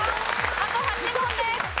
あと８問です！